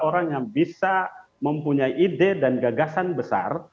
orang yang bisa mempunyai ide dan gagasan besar